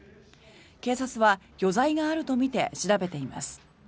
警察は余罪があるとみて調べています。